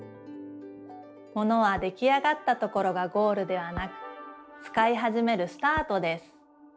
ものは出来上がったところがゴールではなくつかいはじめるスタートです。